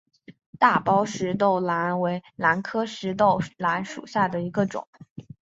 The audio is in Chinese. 大苞石豆兰为兰科石豆兰属下的一个种。